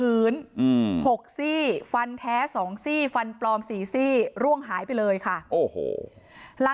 แต่จังหวะที่ผ่านหน้าบ้านของผู้หญิงคู่กรณีเห็นว่ามีรถจอดขวางทางจนรถผ่านเข้าออกลำบาก